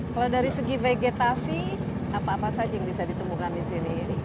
kalau dari segi vegetasi apa apa saja yang bisa ditemukan di sini